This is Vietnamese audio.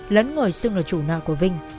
lẫn ngồi xưng là chủ nợ của vinh